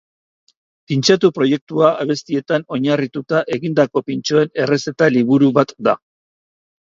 Pintxatu proiektua abestietan oinarrituta egindako pintxoen errezeta liburu bat da.